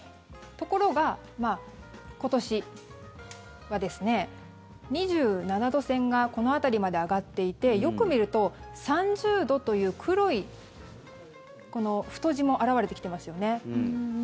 ところが、今年はですね２７度線がこの辺りまで上がっていてよく見ると３０度という黒い、この太字も表れてきてますよね。